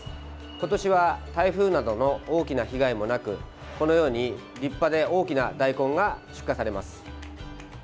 今年は台風などの大きな被害もなく立派で大きな大根が出荷されます。